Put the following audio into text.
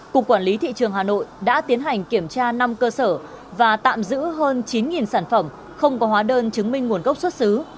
cục quản lý thị trường hà nội đã tiến hành kiểm tra năm cơ sở và tạm giữ hơn chín sản phẩm không có hóa đơn chứng minh nguồn gốc xuất xứ